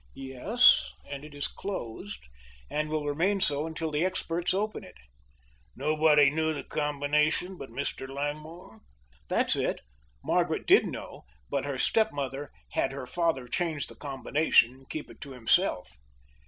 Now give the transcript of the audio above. "Yes, and it is closed, and will remain so until the experts open it." "Nobody knew the combination but Mr. Langmore?" "That's it. Margaret did know, but her stepmother had her father change the combination and keep it to himself."